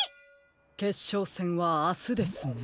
けっしょうせんはあすですね。